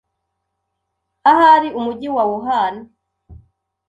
ahari umujyi wa Wuhan